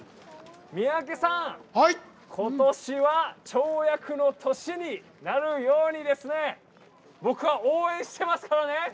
三宅さんことしは跳躍の年になるように僕は応援してますからね！